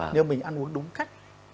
nếu mình ăn uống đúng cách